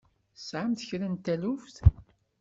Tesɛamt kra n taluft?